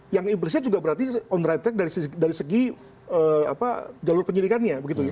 yang impresif juga berarti on right track dari segi jalur penyelidikannya